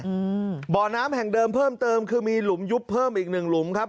อืมบ่อน้ำแห่งเดิมเพิ่มเติมคือมีหลุมยุบเพิ่มอีกหนึ่งหลุมครับ